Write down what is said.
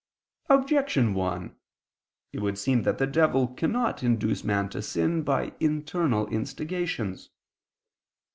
Objection 1: It would seem that the devil cannot induce man to sin, by internal instigations.